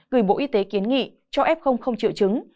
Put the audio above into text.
gửi bộ y tế kiến nghị cho f không triệu chứng